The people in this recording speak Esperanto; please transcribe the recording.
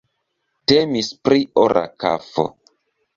Temis pri ora kafo.